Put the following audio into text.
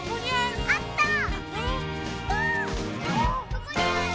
どこにある？